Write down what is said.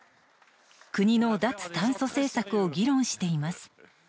国の脱炭素政策を議論しています。